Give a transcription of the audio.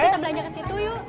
kita belanja kesitu yuk